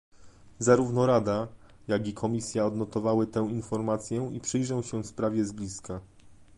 Zarówno Rada, jak i Komisja odnotowały tę informację i przyjrzą się sprawie z bliska